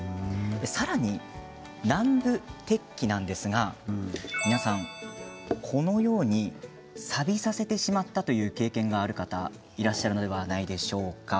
さらに南部鉄器なんですがこのようにさびさせてしまったという経験がある方いらっしゃるのではないでしょうか。